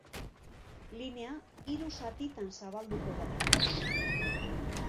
Linea hiru zatitan zabalduko da.